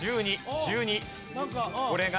これが。